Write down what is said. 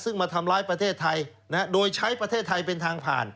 ซึ่งมาทำร้ายประเทศไทยโดยใช้ประเทศไทยเป็นทางผ่าน